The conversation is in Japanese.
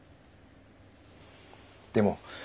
でも。